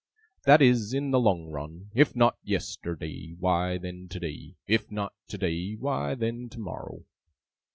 That is, in the long run. If not yesterday, why then today. If not today, why then tomorrow.